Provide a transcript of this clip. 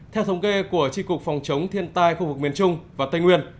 theo thống kê của tri cục phòng chống thiên tai khu vực miền trung và tây nguyên